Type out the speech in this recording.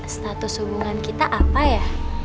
status hubungan kita apa ya